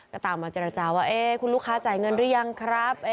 ก็ตามมาเจรจาว่าคุณลูกค้าจ่ายเงินหรือยังครับ